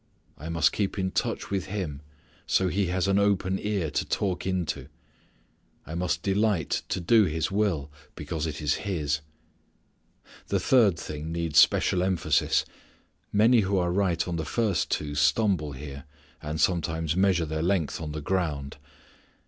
I must keep in touch with Him so He has an open ear to talk into. I must delight to do His will, because it is His. The third thing needs special emphasis. Many who are right on the first two stumble here, and sometimes measure their length on the ground.